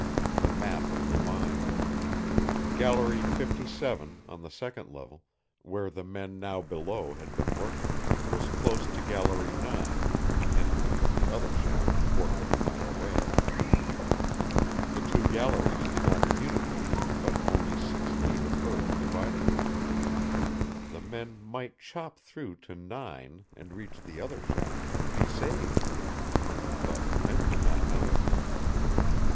The map of the mine. Gallery 57, on the second level, where the men now below had been working, was close to gallery 9, entered from the other shaft a quarter of a mile away. The two galleries did not communicate, but only six feet of earth divided them. The men might chop through to 9 and reach the other shaft and be saved. But the men did not know it.